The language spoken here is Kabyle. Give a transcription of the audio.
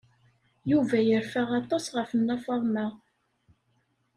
Yuba yerfa aṭas ɣef Nna Faḍma.